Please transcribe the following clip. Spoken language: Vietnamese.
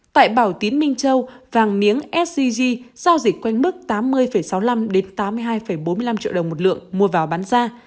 tại bảo tín minh châu vàng miếng sgg giao dịch quanh mức tám mươi sáu mươi năm tám mươi hai bốn mươi năm triệu đồng một lượng mua vào bán ra